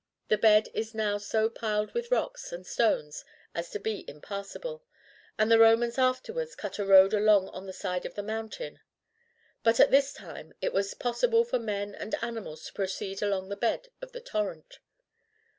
The bed is now so piled with rocks and stones as to be impassable, and the Romans afterwards cut a road along on the side of the mountain. But at this time it was possible for men and animals to proceed along the bed of the torrent.